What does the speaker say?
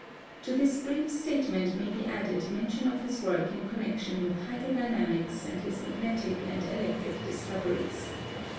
To this brief statement may be added mention of his work in connection with hydrodynamics and his magnetic and electric discoveries.